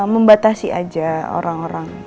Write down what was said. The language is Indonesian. membatasi aja orang orang